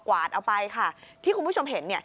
กวาดเอาไปค่ะที่คุณผู้ชมเห็น